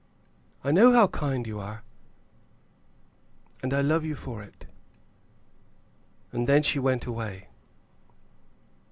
"I know how kind you are, and I love you for it." And then she went away.